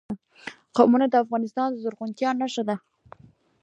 قومونه د افغانستان د زرغونتیا نښه ده.